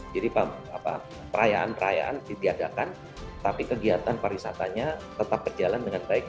jadi perayaan perayaan ditiadakan tapi kegiatan pariwisatanya tetap berjalan dengan baik